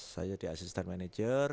saya jadi asisten manajer